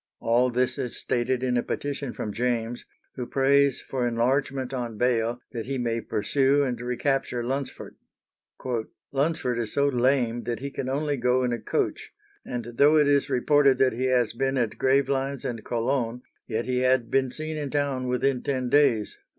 All this is stated in a petition from James, who prays for enlargement on bail that he may pursue and recapture Lunsford. "Lunsford is so lame that he can only go in a coach, and though it is reported that he has been at Gravelines and Cologne, yet he had been seen in town within ten days."